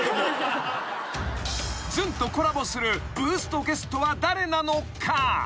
［ずんとコラボするブーストゲストは誰なのか？］